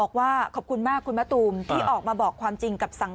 ขอโทษครับ